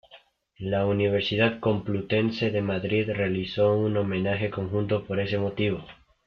La Universidad Complutense de Madrid realizó un homenaje conjunto por ese motivo..